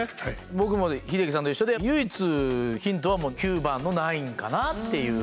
僕も英樹さんと一緒で唯一、ヒントは９番のナインかなっていう。